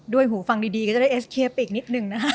ด้วยหูฟังดีก็จะได้เอสเคียร์ไปอีกนิดนึงนะฮะ